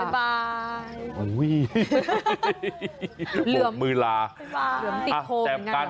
บ๊ายบาย